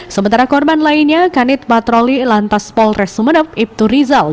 sementara korban lainnya kanit patroli lantas polres sumeneb ibtu rizal